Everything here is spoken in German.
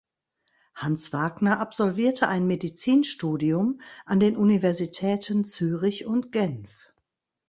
Hans Wagner absolvierte ein Medizinstudium an den Universitäten Zürich und Genf.